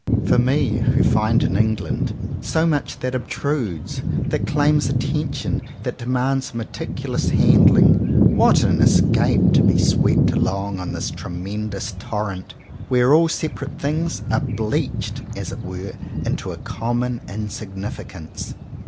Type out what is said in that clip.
For me, who find in England so much that obtrudes, that claims attention, that de mands meticulous handling, what an escape, to be swept along on this tremendous tor rent, where all separate things are bleached, as it were, into a common insignificance!